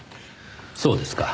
そうですか。